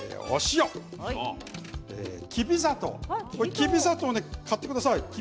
きび砂糖、買ってください。